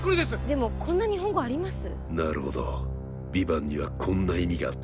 でもこんな日本語あります？